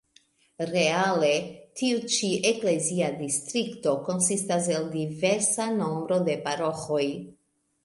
Reale tiu ĉi "eklezia distrikto" konsistas el diversa nombro da paroĥoj.